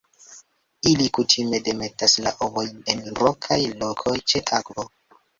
Ili kutime demetas la ovojn en rokaj lokoj ĉe akvo.